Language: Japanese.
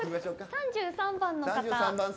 ３３番の方。